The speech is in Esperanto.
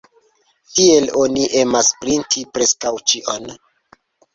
Tiel oni emas printi preskaŭ ĉion.